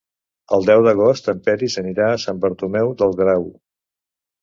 El deu d'agost en Peris anirà a Sant Bartomeu del Grau.